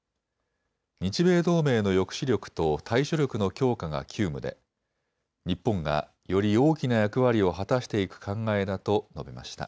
日米同盟の抑止力と対処力の強化が急務で日本がより大きな役割を果たしていく考えだと述べました。